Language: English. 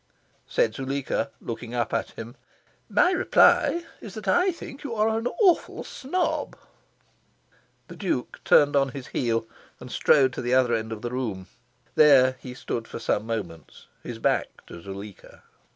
Said Zuleika, looking up at him, "My reply is that I think you are an awful snob." The Duke turned on his heel, and strode to the other end of the room. There he stood for some moments, his back to Zuleika.